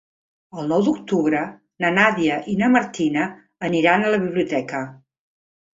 El nou d'octubre na Nàdia i na Martina aniran a la biblioteca.